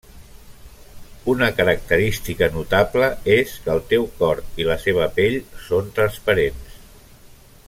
Una característica notable és que el teu cor i la seva pell són transparents.